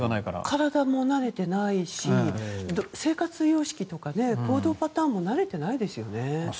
体も慣れていないし生活様式とか行動パターンも慣れていないですよね。